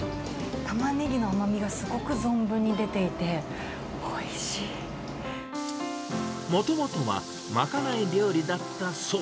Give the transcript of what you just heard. タマネギの甘みがすごく存分に出もともとは、まかない料理だったそう。